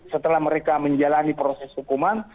setelah mereka menjalani proses hukuman